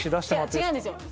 いや違うんですよ